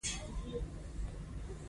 راشه درشه د ميني لاره ده